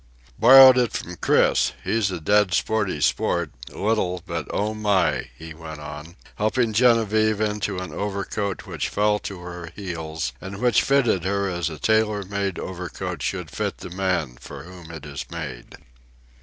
"Borrowed it from Chris; he's a dead sporty sport little, but oh, my!" he went on, helping Genevieve into an overcoat which fell to her heels and which fitted her as a tailor made overcoat should fit the man for whom it is made.